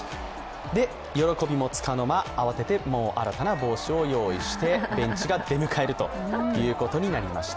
で、喜びもつかの間、慌てて新たな帽子を用意してベンチが出迎えるということになりました。